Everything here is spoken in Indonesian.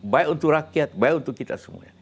baik untuk rakyat baik untuk kita semuanya